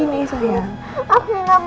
apa choosean grandma kamu